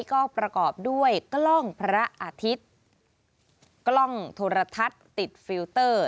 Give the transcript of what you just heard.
ก็ประกอบด้วยกล้องพระอาทิตย์กล้องโทรทัศน์ติดฟิลเตอร์